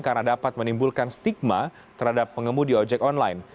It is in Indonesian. karena dapat menimbulkan stigma terhadap pengemudi ojek online